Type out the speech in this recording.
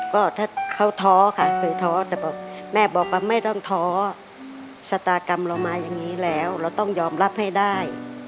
ก็ถ้าเขาท้อค่ะเคยท้อแต่บอกแม่บอกว่าไม่ต้องท้อชะตากรรมเรามาอย่างนี้แล้วเราต้องยอมรับให้ได้